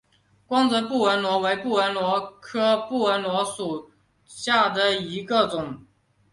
光泽布纹螺为布纹螺科布纹螺属下的一个种。